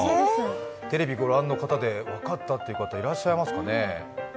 テレビをご覧の方で分かったという方、いらっしゃいますかね。